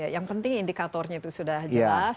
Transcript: yang penting indikatornya itu sudah jelas